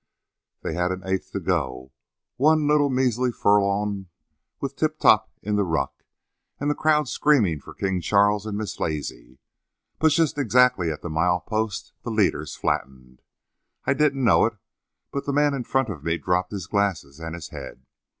"They had an eighth to go one little measly furlong, with Tip Top in the ruck, and the crowd screaming for King Charles and Miss Lazy; but just exactly at the mile post the leaders flattened. I didn't know it, but the man in front of me dropped his glasses and his head.